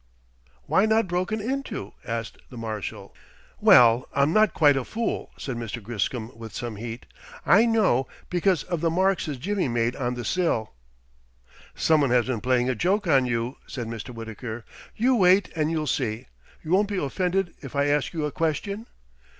"Why not broken into?" asked the Marshal. "Well, I'm not quite a fool," said Mr. Griscom with some heat. "I know because of the marks his jimmy made on the sill." "Some one has been playing a joke on you," said Mr. Wittaker. "You wait, and you'll see. You won't be offended if I ask you a question?"